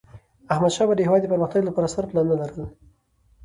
احمدشاه بابا د هیواد د پرمختګ لپاره ستر پلانونه لرل.